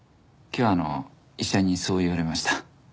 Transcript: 今日あの医者にそう言われました。